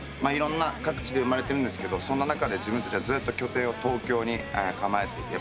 いろんな各地で生まれてるんですけどそんな中で自分たちはずっと拠点を東京に構えて。